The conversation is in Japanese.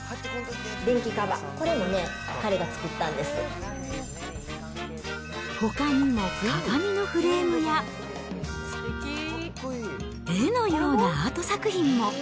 電気カバー、これもね、彼が作っほかにも鏡のフレームや、絵のようなアート作品も。